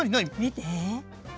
見て。